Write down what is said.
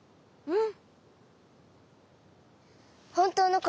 うん。